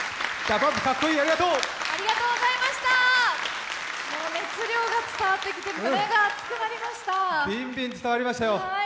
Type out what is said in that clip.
ビンビン伝わりましたよ。